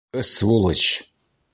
Ысвулыч.